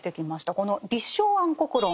この「立正安国論」